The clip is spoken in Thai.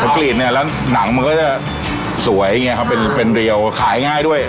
กรีดเนี่ยแล้วหนังมันก็จะสวยอย่างนี้ครับเป็นเป็นเรียวขายง่ายด้วย